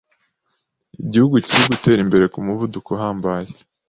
igihugu kiri gutera imbere ku muvuduko uhambaye